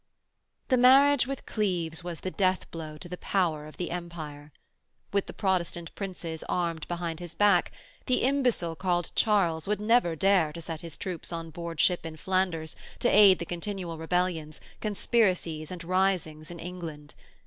The marriage with Cleves was the deathblow to the power of the Empire. With the Protestant Princes armed behind his back, the imbecile called Charles would never dare to set his troops on board ship in Flanders to aid the continual rebellions, conspiracies and risings in England.